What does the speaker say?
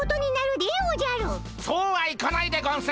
そうはいかないでゴンス！